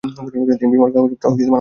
তিনি বীমার কাগজপত্র আনতে গেছেন।